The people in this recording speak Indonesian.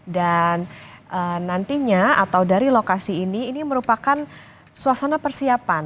dan nantinya atau dari lokasi ini merupakan suasana persiapan